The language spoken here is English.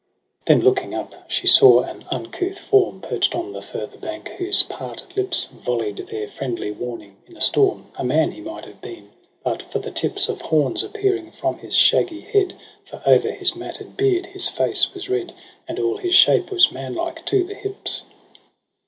AUGUST 137 la Then looking up she saw an uncouth form Perch'd on the further bank, whose parted lips VoUey'd their friendly warning in a storm : A man he might have been, but for the tips Of horns appearing from his shaggy head. For o'er his matted beard his face was red. And all his shape was manlike to the hips.